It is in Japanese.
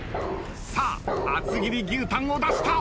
さあ厚切り牛タンを出した。